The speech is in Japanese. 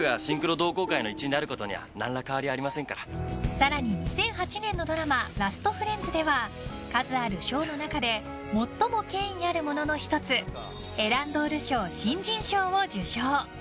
更に２００８年のドラマ「ラスト・フレンズ」では数ある賞の中で最も権威あるものの１つエランドール賞新人賞を受賞。